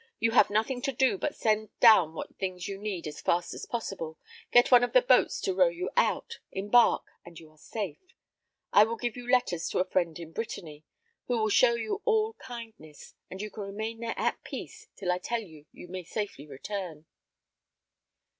You have nothing to do but send down what things you need as fast as possible, get one of the boats to row you out, embark, and you are safe. I will give you letters to a friend in Brittany, who will show you all kindness, and you can remain there at peace till I tell you that you may safely return."